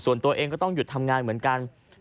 ส่วนตัวเองก็ต้องหยุดทำงานเหมือนกัน